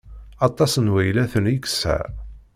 Aṭas n waylaten i yesɛa.